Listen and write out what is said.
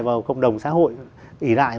vào cộng đồng xã hội ỉ lại